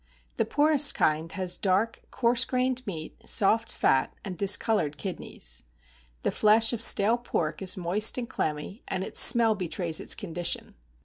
The poorest kind has dark, coarse grained meat, soft fat, and discoloured kidneys. The flesh of stale pork is moist and clammy, and its smell betrays its condition.